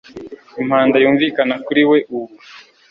impanda yumvikana kuri wewe ubu